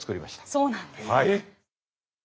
そうなんです。